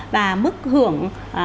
và mức hưởng